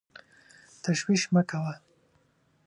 تشویش مه کوه !